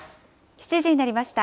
７時になりました。